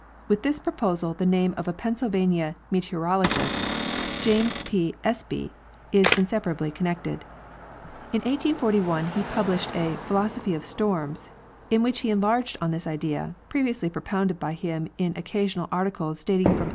With this proposal the name of a Penn sylvania meteorologist, James P. Espy, is inseparably connected. In 1841 he published a " Philosophy of Storms," in which he en larged on this idea previously propounded by him in occasional articles dating from 1838.